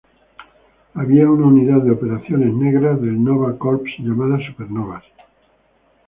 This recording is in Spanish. Había una unidad de operaciones negra del Nova Corps llamada Supernovas.